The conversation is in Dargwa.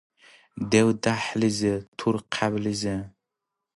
Дев–дяхӀлизи, тур–хъяблизи.